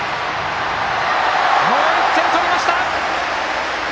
もう１点取りました！